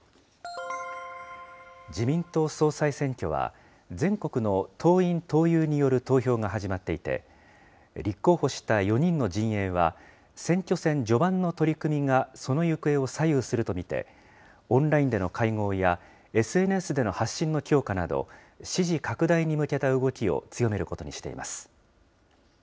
自民党総裁選挙は、全国の党員・党友による投票が始まっていて、立候補した４人の陣営は、選挙戦序盤の取り組みがその行方を左右すると見て、オンラインでの会合やＳＮＳでの発信の強化など、支持拡大に向けた動きを強めることにしています。